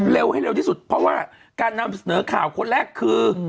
ให้เร็วที่สุดเพราะว่าการนำเสนอข่าวคนแรกคือ